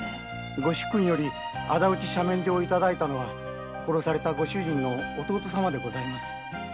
御主君より仇討ち赦免状をいただいたのは殺されたご主人の弟様でございます。